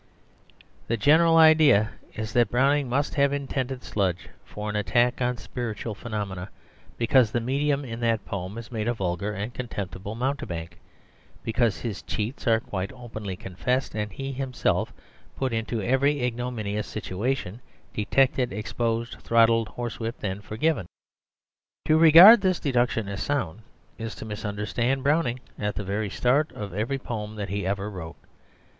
The general idea is that Browning must have intended "Sludge" for an attack on spiritual phenomena, because the medium in that poem is made a vulgar and contemptible mountebank, because his cheats are quite openly confessed, and he himself put into every ignominious situation, detected, exposed, throttled, horsewhipped, and forgiven. To regard this deduction as sound is to misunderstand Browning at the very start of every poem that he ever wrote.